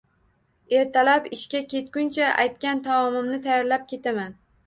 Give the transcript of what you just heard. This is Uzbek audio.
Ertalab ishga ketguncha aytgan taomini tayyorlab ketaman